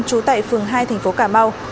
trú tại phường hai tp cà mau